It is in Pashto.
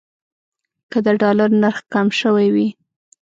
که د ډالر نرخ کم شوی وي.